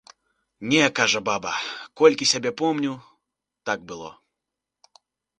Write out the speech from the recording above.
Не, кажа баба, колькі сябе помню, так было.